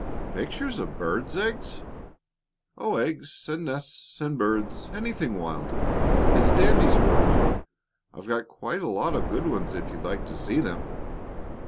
"Pictures of birds' eggs?" "Oh, eggs and nests and birds anything wild. It's dandy sport. I've got quite a lot of good ones if you'd like to see them."